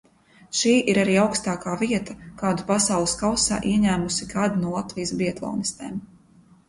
Šī ir arī augstākā vieta, kādu Pasaules kausā ieņēmusi kāda no Latvijas biatlonistēm.